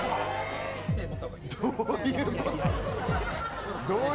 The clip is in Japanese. どういうこと。